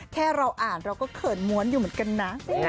แค่เราอ่านเราก็เขินม้วนอยู่เหมือนกันนะ